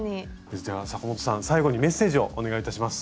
じゃあ阪本さん最後にメッセージをお願いいたします。